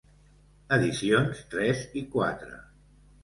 Edicions Tres i Quatre.